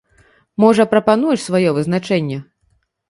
Можа, прапануеш сваё вызначэнне?